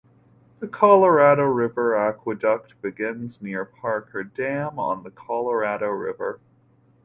The Colorado River Aqueduct begins near Parker Dam on the Colorado River.